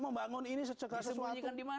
membangun ini secegah sesuatu